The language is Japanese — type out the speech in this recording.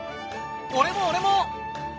俺も俺も！